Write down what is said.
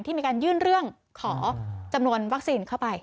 มีการยื่นเรื่องขอจำนวนวัคซีนเข้าไป